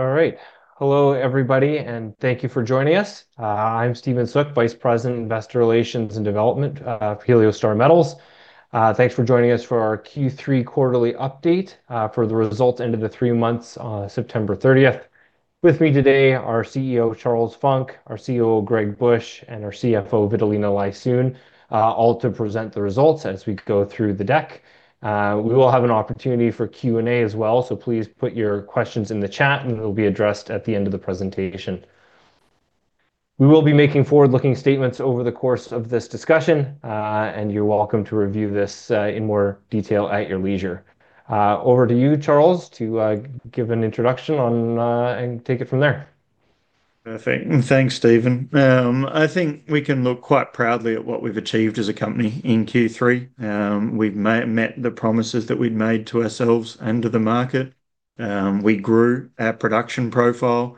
All right. Hello, everybody, and thank you for joining us. I'm Steven Sook, Vice President, Investor Relations and Development for Heliostar Metals. Thanks for joining us for our Q3 Quarterly Update For The Results End of the Three Months on September 30th. With me today are CEO Charles Funk, our CEO Greg Bush, and our CFO, Vitalina Lysoun, all to present the results as we go through the deck. We will have an opportunity for Q&A as well, so please put your questions in the chat, and they'll be addressed at the end of the presentation. We will be making forward-looking statements over the course of this discussion, and you're welcome to review this in more detail at your leisure. Over to you, Charles, to give an introduction and take it from there. Thanks, Steven. I think we can look quite proudly at what we've achieved as a company in Q3. We've met the promises that we'd made to ourselves and to the market. We grew our production profile.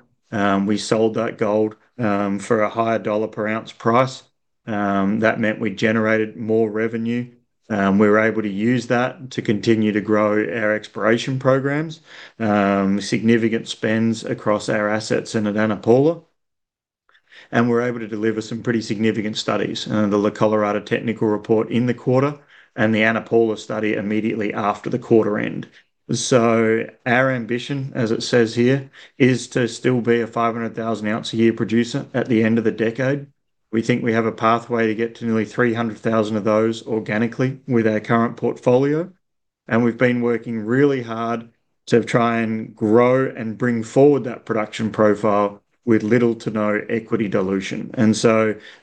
We sold that gold for a higher dollar-per-ounce price. That meant we generated more revenue. We were able to use that to continue to grow our exploration programs, significant spends across our assets in Ana Paula. We were able to deliver some pretty significant studies: the La Colorada Technical Report in the quarter and the Ana Paula study immediately after the quarter end. Our ambition, as it says here, is to still be a 500,000-ounce-a-year producer at the end of the decade. We think we have a pathway to get to nearly 300,000 of those organically with our current portfolio. We have been working really hard to try and grow and bring forward that production profile with little to no equity dilution.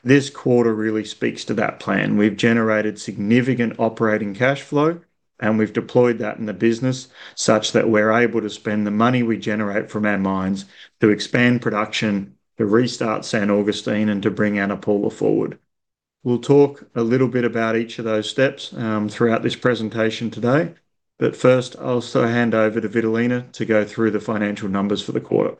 This quarter really speaks to that plan. We have generated significant operating cash flow, and we have deployed that in the business such that we are able to spend the money we generate from our mines to expand production, to restart San Agustín, and to bring Ana Paula forward. We will talk a little bit about each of those steps throughout this presentation today. First, I will also hand over to Vitalina to go through the financial numbers for the quarter.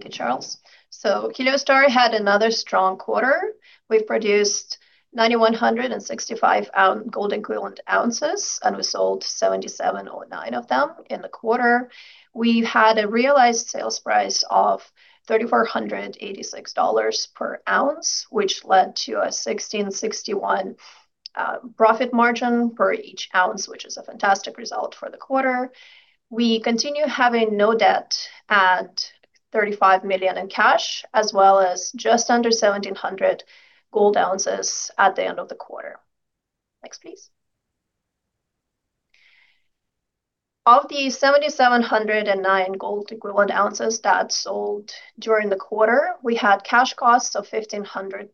Thank you, Charles. Heliostar had another strong quarter. We produced 9,165 gold-equivalent ounces, and we sold 7,709 of them in the quarter. We had a realized sales price of $3,486 per ounce, which led to a $1,661 profit margin per each ounce, which is a fantastic result for the quarter. We continue having no debt at $35 million in cash, as well as just under 1,700 gold ounces at the end of the quarter. Next, please. Of the 7,709 gold-equivalent ounces that sold during the quarter, we had cash costs of $1,500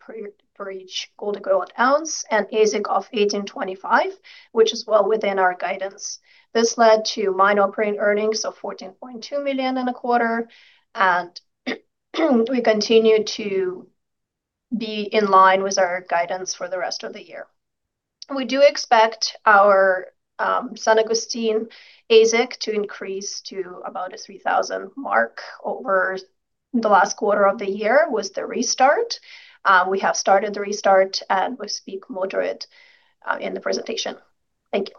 per each gold-equivalent ounce and AISC of $1,825, which is well within our guidance. This led to mine-operating earnings of $14.2 million in the quarter, and we continue to be in line with our guidance for the rest of the year. We do expect our San Agustín AISC to increase to about the $3,000 mark over the last quarter of the year with the restart. We have started the restart, and we'll speak more to it in the presentation. Thank you.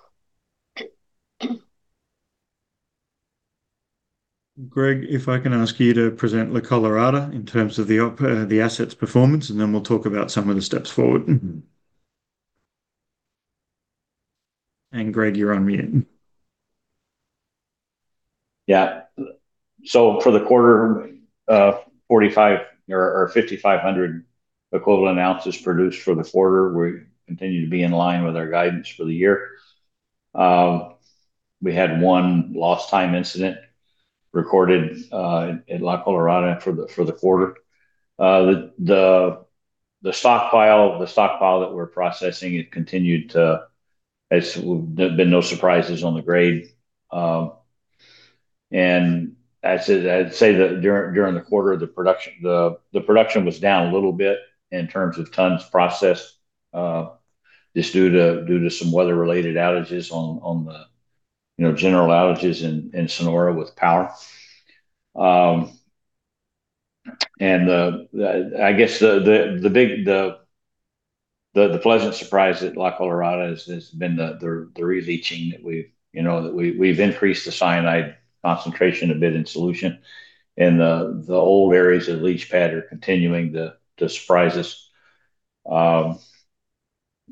Greg, if I can ask you to present the La Colorada in terms of the assets' performance, and then we'll talk about some of the steps forward. Greg, you're on mute. Yeah. For the quarter, 4,500 or 5,500 equivalent ounces produced for the quarter, we continue to be in line with our guidance for the year. We had one lost-time incident recorded at La Colorada for the quarter. The stockpile that we're processing, it continued to, there've been no surprises on the grade. I'd say that during the quarter, the production was down a little bit in terms of tons processed just due to some weather-related outages on the general outages in Sonora with power. I guess the pleasant surprise at La Colorada has been the re-leaching that we've increased the cyanide concentration a bit in solution. The old areas of leach pad are continuing to surprise us.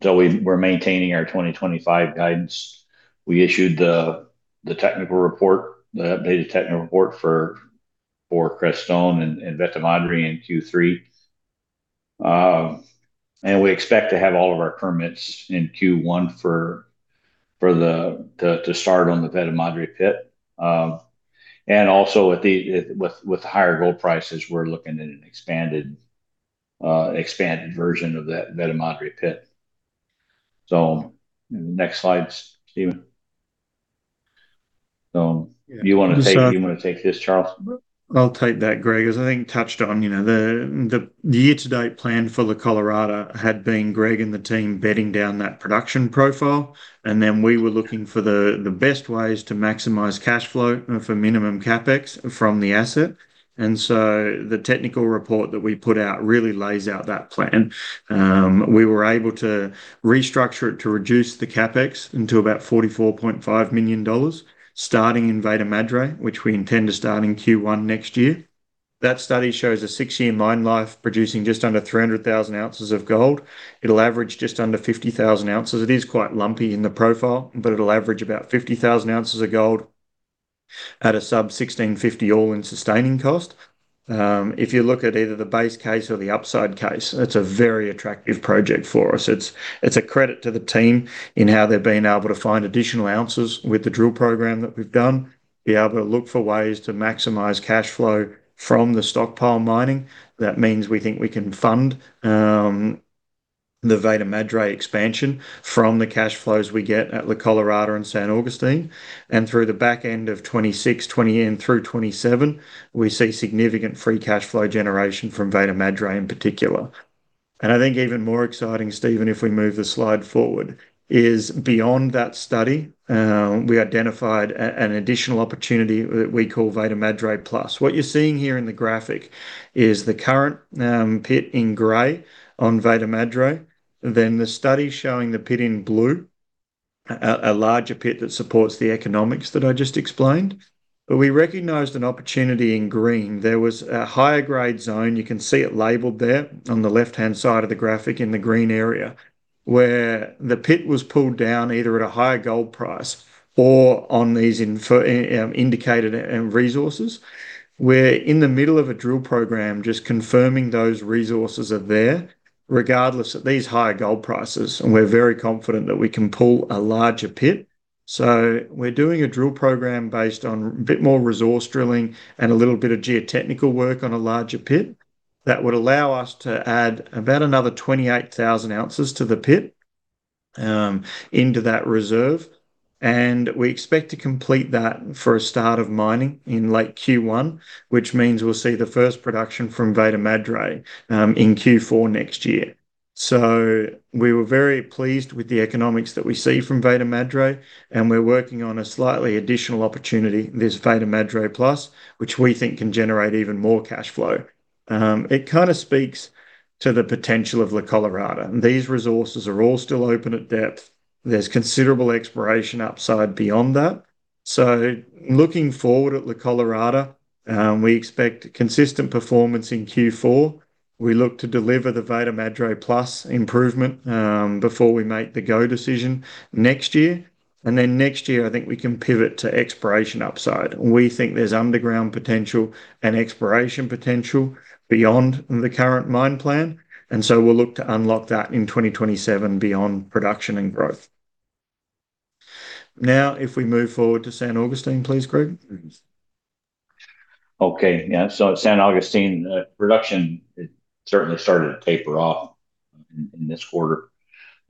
We're maintaining our 2025 guidance. We issued the technical report, the updated technical report for Creston and Veta Madre in Q3. We expect to have all of our permits in Q1 to start on the Veta Madre pit. Also, with the higher gold prices, we're looking at an expanded version of that Veta Madre pit. Next slide, Steven. Do you want to take this, Charles? I'll take that, Gregg, as I think touched on. The year-to-date plan for La Colorada had been Gregg and the team bedding down that production profile. We were looking for the best ways to maximize cash flow for minimum CapEx from the asset. The technical report that we put out really lays out that plan. We were able to restructure it to reduce the CapEx into about $44.5 million starting in Veta Madre, which we intend to start in Q1 next year. That study shows a six-year mine life producing just under 300,000 ounces of gold. It'll average just under 50,000 ounces. It is quite lumpy in the profile, but it'll average about 50,000 ounces of gold at a sub-$1,650 all-in sustaining cost. If you look at either the base case or the upside case, it's a very attractive project for us. It's a credit to the team in how they've been able to find additional ounces with the drill program that we've done, be able to look for ways to maximize cash flow from the stockpile mining. That means we think we can fund the Veta Madre expansion from the cash flows we get at La Colorada and San Agustín. Through the back end of 2026, 2027, we see significant free cash flow generation from Veta Madre in particular. I think even more exciting, Steven, if we move the slide forward, is beyond that study, we identified an additional opportunity that we call Veta Madre Plus. What you're seeing here in the graphic is the current pit in gray on Veta Madre, then the study showing the pit in blue, a larger pit that supports the economics that I just explained. We recognized an opportunity in green. There was a higher-grade zone. You can see it labeled there on the left-hand side of the graphic in the green area where the pit was pulled down either at a higher gold price or on these indicated resources. We're in the middle of a drill program just confirming those resources are there, regardless of these higher gold prices. We're very confident that we can pull a larger pit. We're doing a drill program based on a bit more resource drilling and a little bit of geotechnical work on a larger pit that would allow us to add about another 28,000 ounces to the pit into that reserve. We expect to complete that for a start of mining in late Q1, which means we'll see the first production from Veta Madre in Q4 next year. We were very pleased with the economics that we see from Veta Madre, and we're working on a slightly additional opportunity, this Veta Madre Plus, which we think can generate even more cash flow. It kind of speaks to the potential of La Colorada. These resources are all still open at depth. There's considerable exploration upside beyond that. Looking forward at La Colorada, we expect consistent performance in Q4. We look to deliver the Veta Madre Plus improvement before we make the go decision next year. Next year, I think we can pivot to exploration upside. We think there's underground potential and exploration potential beyond the current mine plan. We will look to unlock that in 2027 beyond production and growth. Now, if we move forward to San Agustín, please, Gregg. Okay. Yeah. San Agustín production certainly started to taper off in this quarter.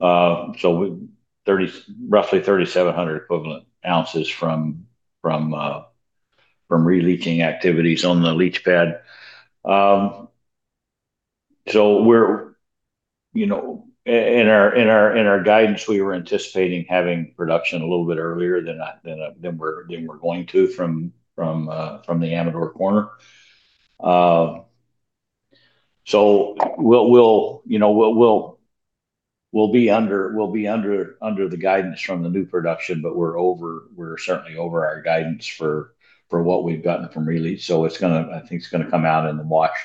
Roughly 3,700 equivalent ounces from re-leaching activities on the leach pad. In our guidance, we were anticipating having production a little bit earlier than we're going to from the Amador corner. We'll be under the guidance from the new production, but we're certainly over our guidance for what we've gotten from re-leach. I think it's going to come out in the wash.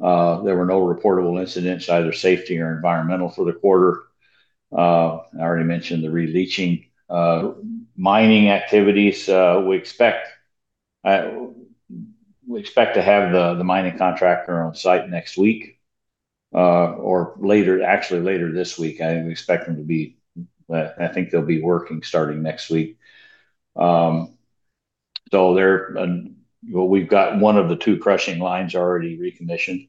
There were no reportable incidents, either safety or environmental, for the quarter. I already mentioned the re-leaching mining activities. We expect to have the mining contractor on site next week or actually later this week. I expect them to be, I think they'll be working starting next week. We've got one of the two crushing lines already reconditioned.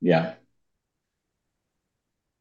Yeah.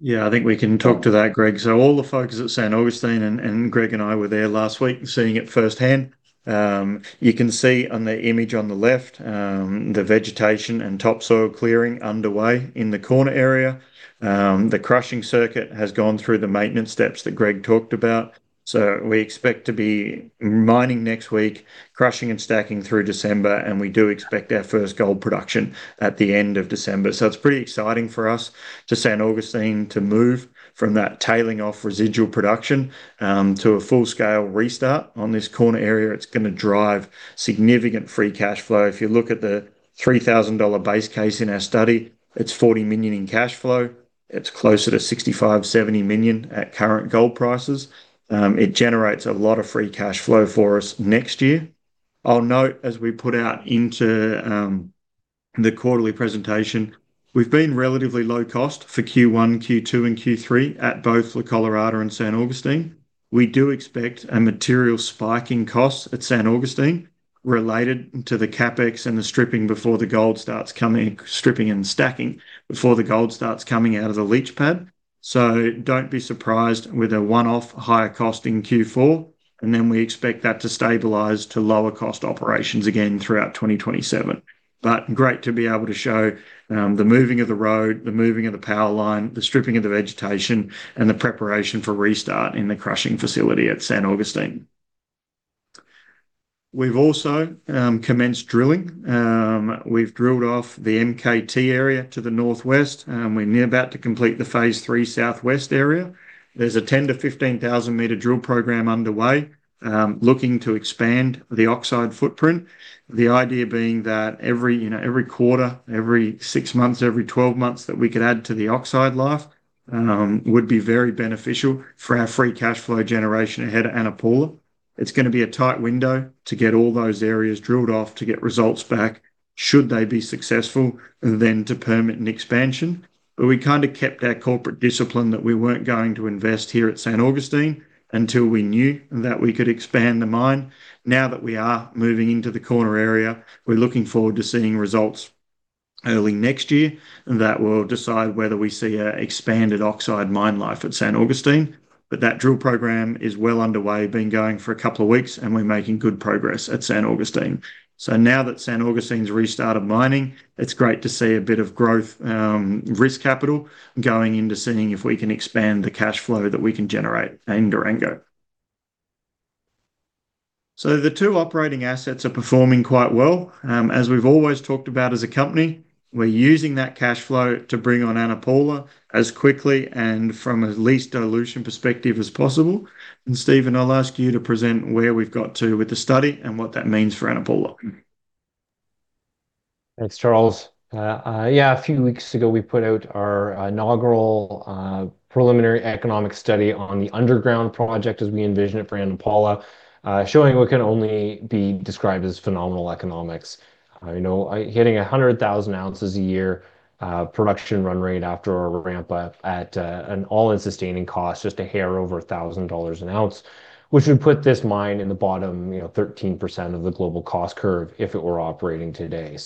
Yeah. I think we can talk to that, Greg. All the folks at San Agustín, and Greg and I were there last week seeing it firsthand. You can see on the image on the left, the vegetation and topsoil clearing underway in the corner area. The crushing circuit has gone through the maintenance steps that Greg talked about. We expect to be mining next week, crushing and stacking through December, and we do expect our first gold production at the end of December. It is pretty exciting for us at San Agustín to move from that tailing off residual production to a full-scale restart on this corner area. It is going to drive significant free cash flow. If you look at the $3,000 base case in our study, it is $40 million in cash flow. It is closer to $65-$70 million at current gold prices. It generates a lot of free cash flow for us next year. I'll note, as we put out into the quarterly presentation, we've been relatively low-cost for Q1, Q2, and Q3 at both La Colorada and San Agustín. We do expect a material spike in cost at San Agustín related to the CapEx and the stripping before the gold starts coming, stripping and stacking before the gold starts coming out of the leach pad. Do not be surprised with a one-off higher cost in Q4. We expect that to stabilize to lower-cost operations again throughout 2027. It is great to be able to show the moving of the road, the moving of the power line, the stripping of the vegetation, and the preparation for restart in the crushing facility at San Agustín. We've also commenced drilling. We've drilled off the MKT area to the northwest. We're near about to complete the phase three southwest area. There's a 10,000-15,000 meter drill program underway looking to expand the oxide footprint. The idea being that every quarter, every six months, every 12 months that we could add to the oxide life would be very beneficial for our free cash flow generation ahead of Ana Paula. It's going to be a tight window to get all those areas drilled off to get results back should they be successful, then to permit an expansion. We kind of kept our corporate discipline that we weren't going to invest here at San Agustín until we knew that we could expand the mine. Now that we are moving into the corner area, we're looking forward to seeing results early next year that will decide whether we see an expanded oxide mine life at San Agustín. That drill program is well underway, been going for a couple of weeks, and we're making good progress at San Agustín. Now that San Agustín's restarted mining, it's great to see a bit of growth risk capital going into seeing if we can expand the cash flow that we can generate in Durango. The two operating assets are performing quite well. As we've always talked about as a company, we're using that cash flow to bring on Ana Paula as quickly and from a least dilution perspective as possible. Steven, I'll ask you to present where we've got to with the study and what that means for Ana Paula. Thanks, Charles. Yeah, a few weeks ago, we put out our inaugural preliminary economic study on the underground project as we envision it for Ana Paula, showing what can only be described as phenomenal economics. Hitting 100,000 ounces a year production run rate after a ramp-up at an all-in sustaining cost, just a hair over $1,000 an ounce, which would put this mine in the bottom 13% of the global cost curve if it were operating today.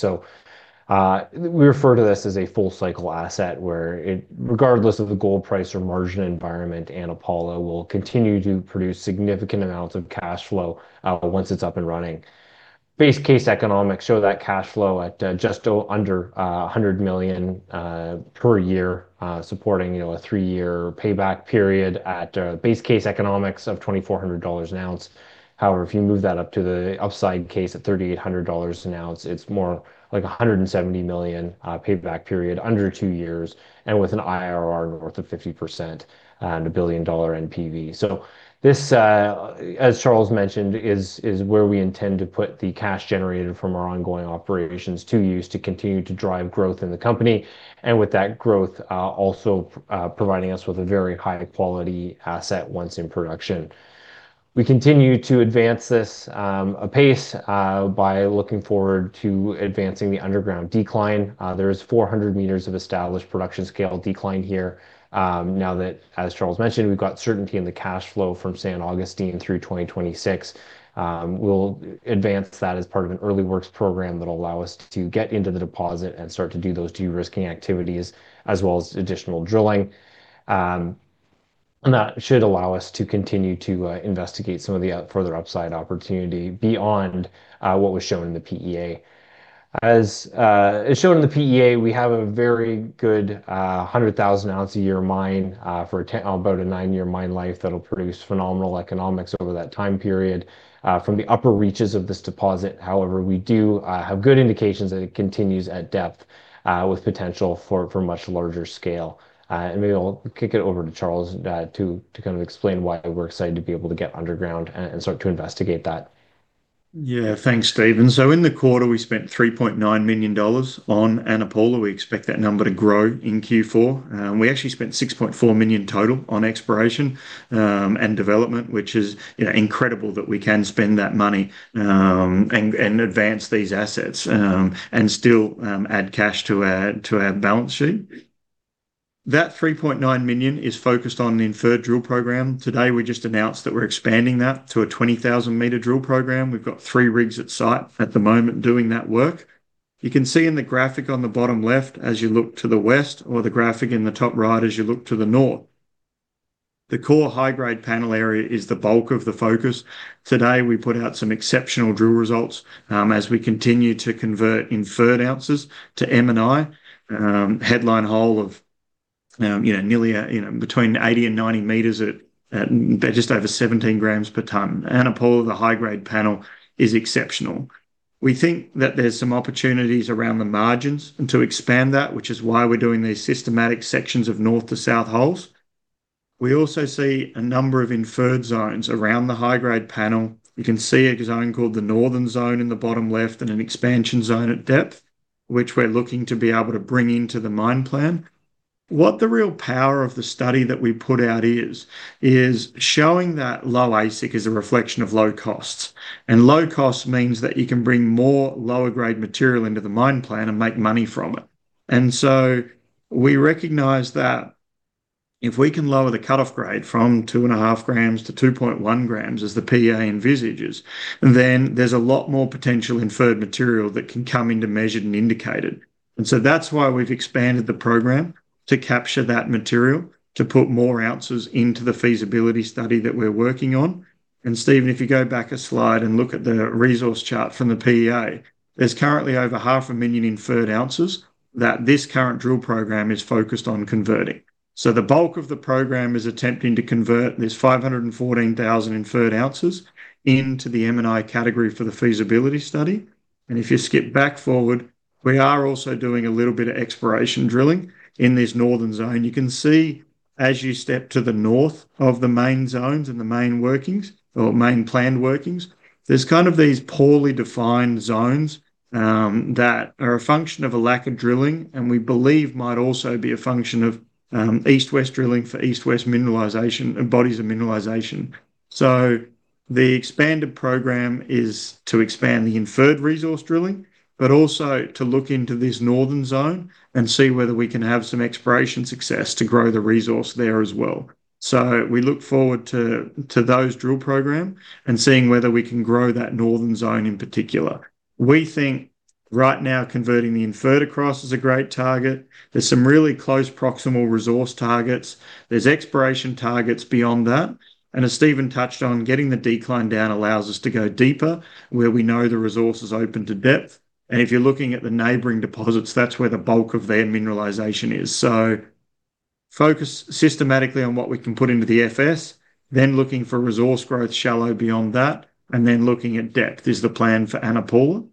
We refer to this as a full-cycle asset where, regardless of the gold price or margin environment, Ana Paula will continue to produce significant amounts of cash flow once it's up and running. Base case economics show that cash flow at just under $100 million per year, supporting a three-year payback period at base case economics of $2,400 an ounce. However, if you move that up to the upside case at $3,800 an ounce, it's more like $170 million, payback period under two years, and with an IRR north of 50% and a billion-dollar NPV. This, as Charles mentioned, is where we intend to put the cash generated from our ongoing operations to use to continue to drive growth in the company. With that growth, also providing us with a very high-quality asset once in production. We continue to advance this apace by looking forward to advancing the underground decline. There is 400 meters of established production scale decline here. Now that, as Charles mentioned, we've got certainty in the cash flow from San Agustín through 2026, we'll advance that as part of an early works program that'll allow us to get into the deposit and start to do those de-risking activities as well as additional drilling. That should allow us to continue to investigate some of the further upside opportunity beyond what was shown in the PEA. As shown in the PEA, we have a very good 100,000-ounce-a-year mine for about a nine-year mine life that'll produce phenomenal economics over that time period from the upper reaches of this deposit. However, we do have good indications that it continues at depth with potential for much larger scale. Maybe I'll kick it over to Charles to kind of explain why we're excited to be able to get underground and start to investigate that. Yeah. Thanks, Steven. In the quarter, we spent $3.9 million on Ana Paula. We expect that number to grow in Q4. We actually spent $6.4 million total on exploration and development, which is incredible that we can spend that money and advance these assets and still add cash to our balance sheet. That $3.9 million is focused on an inferred drill program. Today, we just announced that we're expanding that to a 20,000-meter drill program. We've got three rigs at site at the moment doing that work. You can see in the graphic on the bottom-`left as you look to the west or the graphic in the top-right as you look to the north. The core high-grade panel area is the bulk of the focus. Today, we put out some exceptional drill results as we continue to convert inferred ounces to M&I, headline hole of nearly between 80 and 90 meters at just over 17 grams per ton. Ana Paula, the high-grade panel, is exceptional. We think that there's some opportunities around the margins to expand that, which is why we're doing these systematic sections of north to south holes. We also see a number of inferred zones around the high-grade panel. You can see a zone called the northern zone in the bottom left and an expansion zone at depth, which we're looking to be able to bring into the mine plan. What the real power of the study that we put out is, is showing that low AISC is a reflection of low costs. Low costs means that you can bring more lower-grade material into the mine plan and make money from it. We recognize that if we can lower the cutoff grade from 2.5 grams to 2.1 grams, as the PEA envisages, then there's a lot more potential inferred material that can come into measured and indicated. That is why we've expanded the program to capture that material, to put more ounces into the feasibility study that we're working on. Steven, if you go back a slide and look at the resource chart from the PEA, there's currently over 500,000 inferred ounces that this current drill program is focused on converting. The bulk of the program is attempting to convert this 514,000 inferred ounces into the M&I category for the feasibility study. If you skip back forward, we are also doing a little bit of exploration drilling in this northern zone. You can see as you step to the north of the main zones and the main workings or main planned workings, there's kind of these poorly defined zones that are a function of a lack of drilling and we believe might also be a function of east-west drilling for east-west mineralization and bodies of mineralization. The expanded program is to expand the inferred resource drilling, but also to look into this northern-zone and see whether we can have some exploration success to grow the resource there as well. We look forward to those drill programs and seeing whether we can grow that northern zone in particular. We think right now converting the inferred across is a great target. There's some really close proximal resource targets. There's exploration targets beyond that. As Steven touched on, getting the decline down allows us to go deeper where we know the resource is open to depth. If you're looking at the neighboring deposits, that's where the bulk of their mineralization is. Focus systematically on what we can put into the FS, then looking for resource growth shallow beyond that, and then looking at depth is the plan for Ana Paula.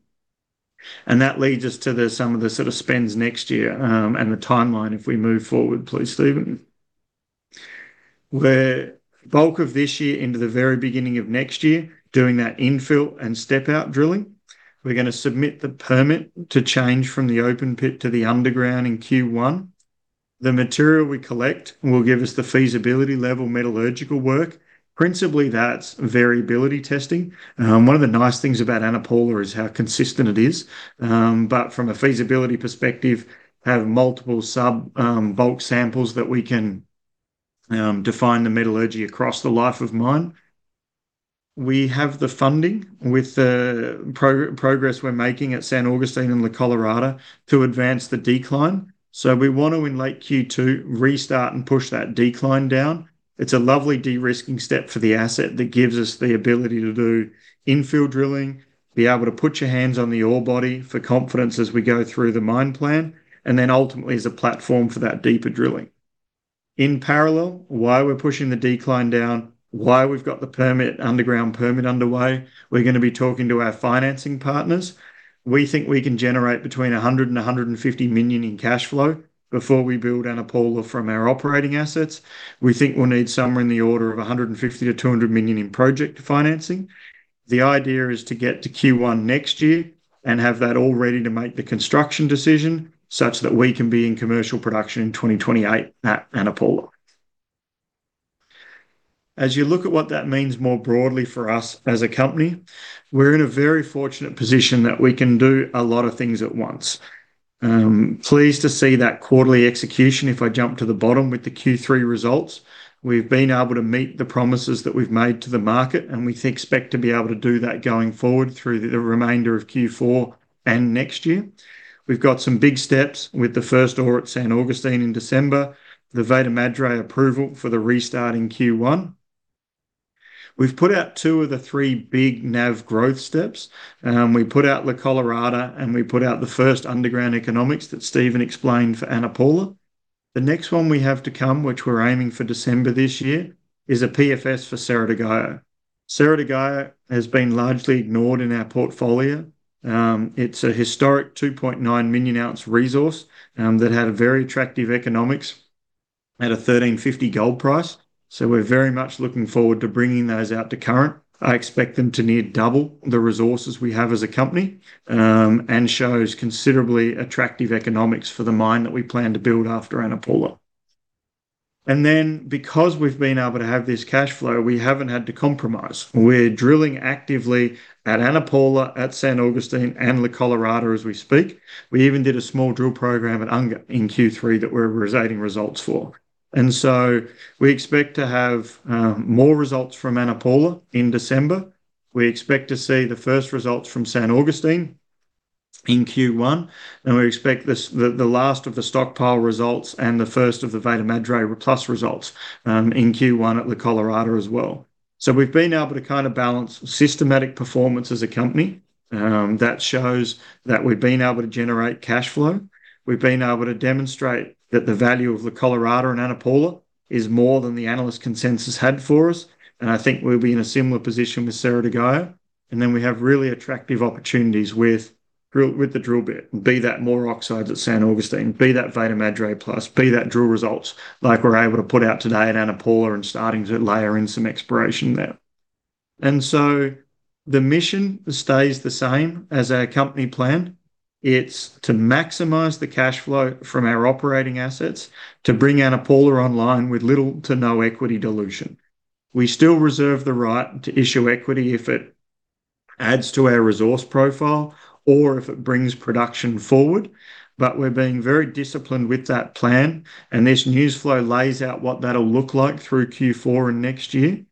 That leads us to some of the sort of spends next year and the timeline. If we move forward, please, Steven. We're bulk of this year into the very beginning of next year doing that infill and step-out drilling. We're going to submit the permit to change from the open pit to the underground in Q1. The material we collect will give us the feasibility level metallurgical work. Principally, that's variability testing. One of the nice things about Ana Paula is how consistent it is. From a feasibility perspective, we have multiple bulk samples that we can define the metallurgy across the life of mine. We have the funding with the progress we're making at San Agustín and La Colorada to advance the decline. We want to, in late Q2, restart and push that decline down. It is a lovely de-risking step for the asset that gives us the ability to do infill drilling, be able to put your hands on the ore body for confidence as we go through the mine plan, and then ultimately as a platform for that deeper drilling. In parallel, while we're pushing the decline down, while we've got the underground permit underway, we're going to be talking to our financing partners. We think we can generate between $100 million and $150 million in cash flow before we build Ana Paula from our operating assets. We think we'll need somewhere in the order of $150 million-$200 million in project financing. The idea is to get to Q1 next year and have that all ready to make the construction decision such that we can be in commercial production in 2028 at Ana Paula. As you look at what that means more broadly for us as a company, we're in a very fortunate position that we can do a lot of things at once. Pleased to see that quarterly execution if I jump to the bottom with the Q3 results. We've been able to meet the promises that we've made to the market, and we expect to be able to do that going forward through the remainder of Q4 and next year. We've got some big steps with the first ore at San Agustín in December, the Veta Madre approval for the restart in Q1. We've put out two of the three big NAV growth steps. We put out La Colorada, and we put out the first underground economics that Steven explained for Ana Paula. The next one we have to come, which we're aiming for December this year, is a PFS for Ceredigaya. Ceredigaya has been largely ignored in our portfolio. It's a historic 2.9 million-ounce resource that had very attractive economics at a $1,350 gold price. We are very much looking forward to bringing those out to current. I expect them to near double the resources we have as a company and shows considerably attractive economics for the mine that we plan to build after Ana Paula. Because we've been able to have this cash flow, we haven't had to compromise. We're drilling actively at Ana Paula, at San Agustín, and La Colorada as we speak. We even did a small drill program at Unga in Q3 that we're residing results for. We expect to have more results from Ana Paula in December. We expect to see the first results from San Agustín in Q1. We expect the last of the stockpile results and the first of the Veta Madre plus results in Q1 at La Colorada as well. We've been able to kind of balance systematic performance as a company. That shows that we've been able to generate cash flow. We've been able to demonstrate that the value of La Colorada and Ana Paula is more than the analyst consensus had for us. I think we'll be in a similar position with Ceredigaya. We have really attractive opportunities with the drill bit, be that more oxides at San Agustín, be that Veta Madre plus, be that drill results like we're able to put out today at Ana Paula and starting to layer in some exploration there. The mission stays the same as our company plan. It's to maximize the cash flow from our operating assets to bring Ana Paula online with little to no equity dilution. We still reserve the right to issue equity if it adds to our resource profile or if it brings production forward. We're being very disciplined with that plan. This news flow lays out what that'll look like through Q4 and next year.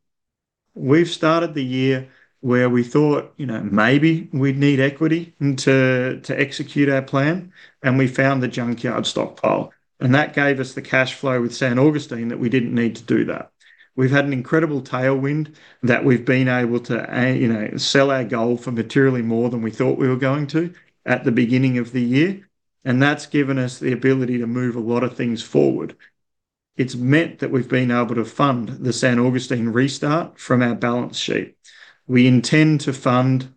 We've started the year where we thought maybe we'd need equity to execute our plan, and we found the junkyard stockpile. That gave us the cash flow with San Agustín that we did not need to do that. We have had an incredible tailwind that we have been able to sell our gold for materially more than we thought we were going to at the beginning of the year. That has given us the ability to move a lot of things forward. It has meant that we have been able to fund the San Agustín restart from our balance sheet. We intend to fund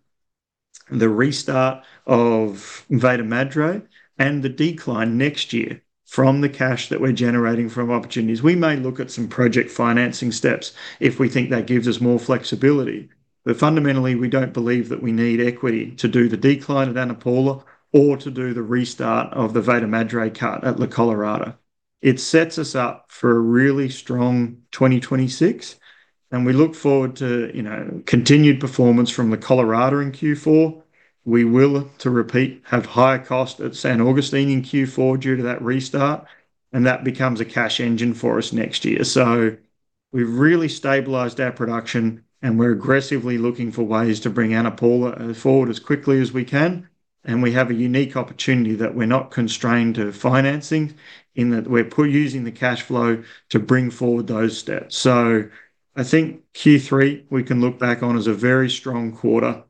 the restart of Veta Madre and the decline next year from the cash that we are generating from opportunities. We may look at some project financing steps if we think that gives us more flexibility. Fundamentally, we do not believe that we need equity to do the decline at Ana Paula or to do the restart of the Veta Madre cut at La Colorada. It sets us up for a really strong 2026. We look forward to continued performance from La Colorada in Q4. To repeat, we will have higher cost at San Agustín in Q4 due to that restart. That becomes a cash engine for us next year. We have really stabilized our production, and we are aggressively looking for ways to bring Ana Paula forward as quickly as we can. We have a unique opportunity that we are not constrained to financing in that we are using the cash flow to bring forward those steps. I think Q3 we can look back on as a very strong quarter,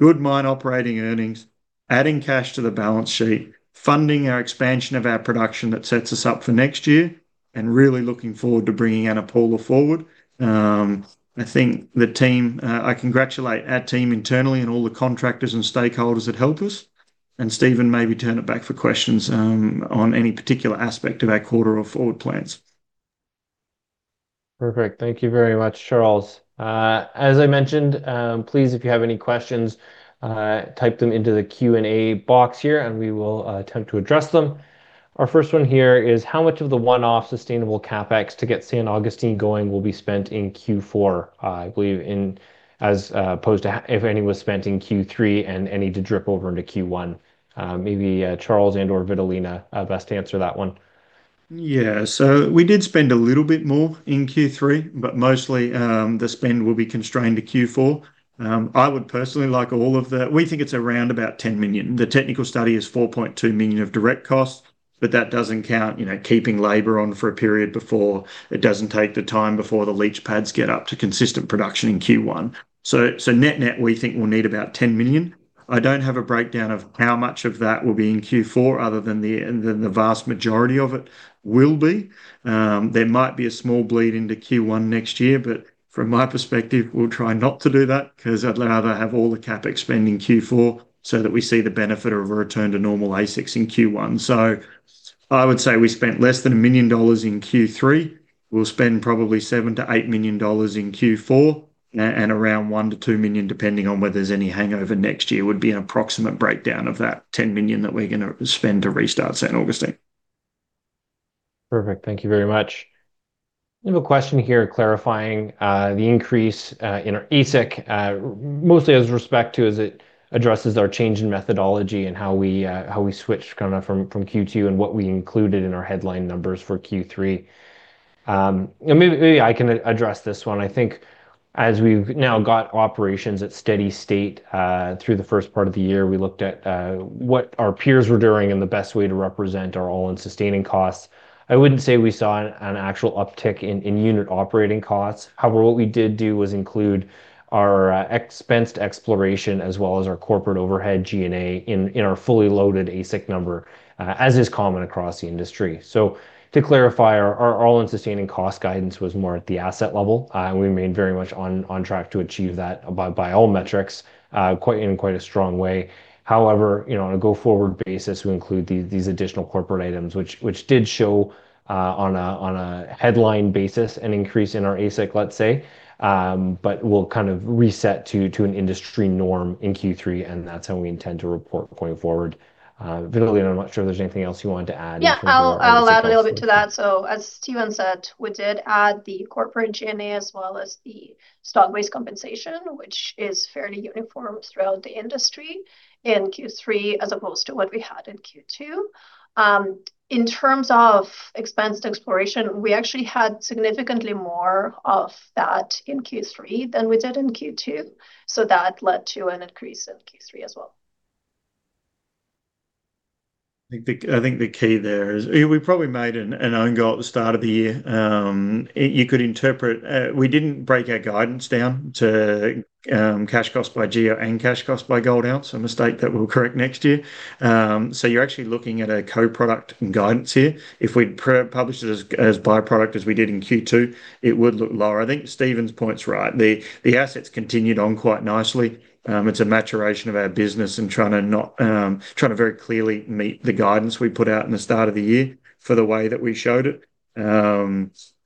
good-mine operating earnings, adding cash to the balance sheet, funding our expansion of our production that sets us up for next year, and really looking forward to bringing Ana Paula forward. I think the team, I congratulate our team internally and all the contractors and stakeholders that help us. Steven, maybe turn it back for questions on any particular aspect of our quarter or forward plans. Perfect. Thank you very much, Charles. As I mentioned, please, if you have any questions, type them into the Q&A box here, and we will attempt to address them. Our first one here is how much of the one-off sustainable CapEx to get San Agustín going will be spent in Q4, I believe, as opposed to if any was spent in Q3 and any to drip over into Q1. Maybe Charles and/or Vitalina best to answer that one. Yeah. We did spend a little bit more in Q3, but mostly the spend will be constrained to Q4. I would personally like all of the, we think it's around about $10 million. The technical study is $4.2 million of direct costs, but that doesn't count keeping labor on for a period before it doesn't take the time before the leach pads get up to consistent production in Q1. Net net, we think we'll need about $10 million. I don't have a breakdown of how much of that will be in Q4 other than the vast majority of it will be. There might be a small bleed into Q1 next year, but from my perspective, we'll try not to do that because I'd rather have all the CapEx spend in Q4 so that we see the benefit of a return to normal AISC in Q1. I would say we spent less than $1 million in Q3. We'll spend probably $7-$8 million in Q4 and around $1-$2 million, depending on whether there's any hangover next year, would be an approximate breakdown of that $10 million that we're going to spend to restart San Agustín. Perfect. Thank you very much. We have a question here clarifying the increase in our AISC, mostly as respect to as it addresses our change in methodology and how we switched kind of from Q2 and what we included in our headline numbers for Q3. Maybe I can address this one. I think as we've now got operations at steady state through the first part of the year, we looked at what our peers were doing and the best way to represent our all-in sustaining costs. I wouldn't say we saw an actual uptick in unit operating costs. However, what we did do was include our expense to exploration as well as our corporate overhead G&A in our fully loaded AISC number, as is common across the industry. To clarify, our all-in sustaining cost guidance was more at the asset level. We remained very much on track to achieve that by all metrics in quite a strong way. However, on a go-forward basis, we include these additional corporate items, which did show on a headline basis an increase in our AISC, let's say, but will kind of reset to an industry norm in Q3. That is how we intend to report going forward. Vitalina, I'm not sure if there's anything else you wanted to add. Yeah, I'll add a little bit to that. As Steven said, we did add the corporate G&A as well as the stock-based compensation, which is fairly uniform throughout the industry in Q3 as opposed to what we had in Q2. In terms of expense to exploration, we actually had significantly more of that in Q3 than we did in Q2. That led to an increase in Q3 as well. I think the key there is we probably made an ongoing start of the year. You could interpret we did not break our guidance down to cash cost by GEO and cash cost by gold ounce. A mistake that we will correct next year. You are actually looking at a co-product guidance here. If we had published it as byproduct as we did in Q2, it would look lower. I think Steven's point is right. The assets continued on quite nicely. It is a maturation of our business and trying to very clearly meet the guidance we put out in the start of the year for the way that we showed it.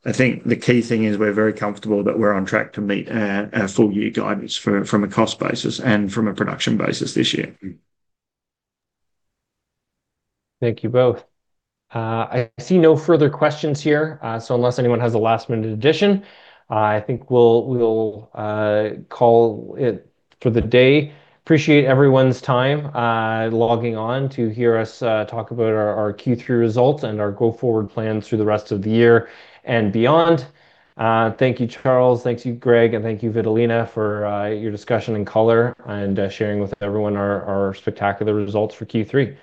I think the key thing is we are very comfortable that we are on track to meet our full year guidance from a cost basis and from a production basis this year. Thank you both. I see no further questions here. Unless anyone has a last-minute addition, I think we'll call it for the day. Appreciate everyone's time logging on to hear us talk about our Q3 results and our go-forward plans through the rest of the year and beyond. Thank you, Charles. Thank you, Greg, and thank you, Vitalina, for your discussion and color and sharing with everyone our spectacular results for Q3.